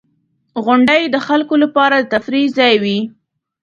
• غونډۍ د خلکو لپاره د تفریح ځای وي.